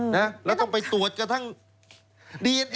นะแล้วต้องไปตรวจกระทั่งไม่ต้อง